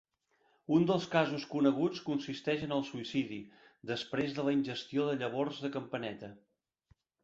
Un dels casos coneguts consisteix en el suïcidi després de la ingestió de llavors de campaneta.